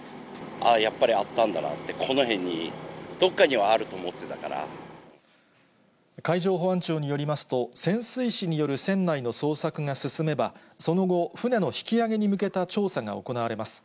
ああ、やっぱりあったんだなって、この辺に、どっかにはあると思っ海上保安庁によりますと、潜水士による船内の捜索が進めば、その後、船の引き揚げに向けた調査が行われます。